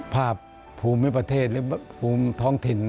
ภาพภูมิประเทศหรือภูมิท้องถิ่น